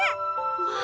まあ！